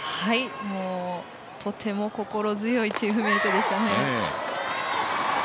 もう、とても心強いチームメートでしたね。